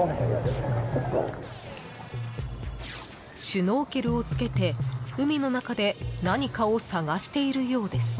シュノーケルを着けて海の中で何かを探しているようです。